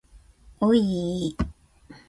おいいい